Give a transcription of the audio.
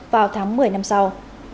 vào tháng một mươi năm sau